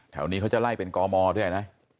นี้เขาจะไล่เป็นกมด้วยนะ